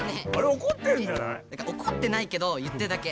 おこってないけど言ってるだけ。